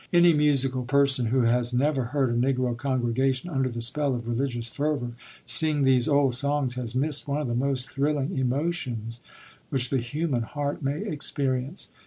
Any musical person who has never heard a Negro congregation under the spell of religious fervor sing these old songs has missed one of the most thrilling emotions which the human heart may experience.